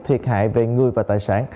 thiệt hại về người và tài sản